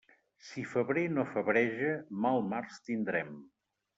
Si febrer no febreja, mal març tindrem.